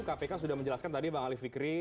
kpk sudah menjelaskan tadi bang ali fikri